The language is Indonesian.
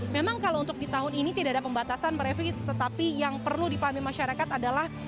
memang kalau untuk di tahun ini tidak ada pembatasan merevie tetapi yang perlu dipahami masyarakat adalah